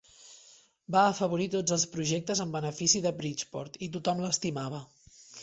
Va afavorir tots els projectes en benefici de Bridgeport, i tothom l'estimava.